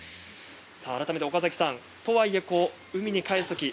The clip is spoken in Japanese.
改めて岡崎さんとはいえ海に返すとき